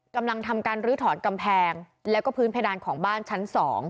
กำลังทำการลื้อถอนกำแพงแล้วก็พื้นเพดานของบ้านชั้น๒